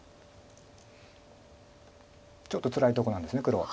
ちょっとつらいとこなんです黒は。